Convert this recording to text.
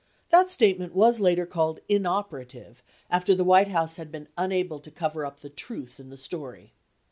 72 That statement was later called "inoperative," after the White House had been unable to cover up the truth in the story.